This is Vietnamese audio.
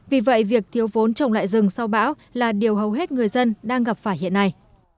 vì vậy việc thiếu vốn trồng lại rừng sau bão là điều hầu hết người dân đang gặp phải hiện nay